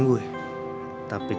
gung lo mau ke mobil